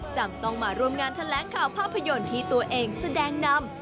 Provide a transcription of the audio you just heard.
จำต้องมาร่วมงานแถลงข่าวภาพยนตร์ที่ตัวเองแสดงนำ